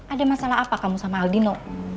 ada masalah apa kamu sama aldino